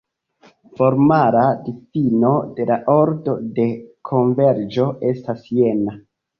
Formala difino de la ordo de konverĝo estas jena.